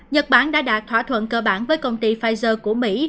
nhật bản đã đạt thỏa thuận cơ bản với công ty pfizer của mỹ